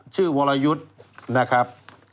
ชื่อโวลยุธนะครับ